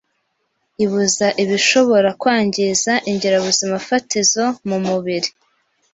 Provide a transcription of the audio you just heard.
ibuza ibishobora kwangiza ingirabuzima-fatizo mu mubiri.